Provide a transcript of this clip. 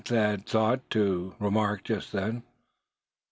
Thad thought to remark just then.